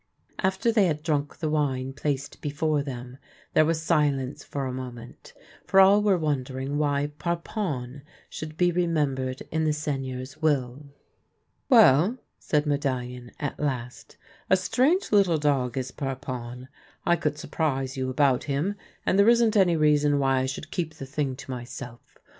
After they had drunk the wine placed before them, there was silence for a moment, for all were wondering why Parpon should be remembered in the Seigneur's will. " Well," said Medallion at last, " a strange little dog is Parpon. I could surprise you about him — and, there isn't any reason why I should keep the thing to myself.